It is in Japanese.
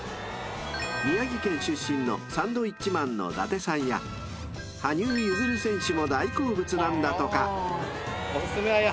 ［宮城県出身のサンドウィッチマンの伊達さんや羽生結弦選手も大好物なんだとか］